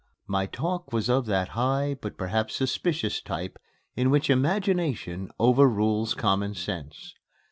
My talk was of that high, but perhaps suspicious type in which Imagination overrules Common Sense.